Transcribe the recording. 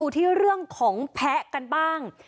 ที่เรื่องของแพ้กันบ้าง